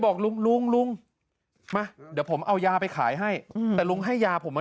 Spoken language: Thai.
บอกลุงลุงลุงมาเดี๋ยวผมเอายาไปขายให้อืมแต่ลุงให้ยาผมมา